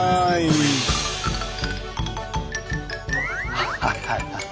ハハハハ。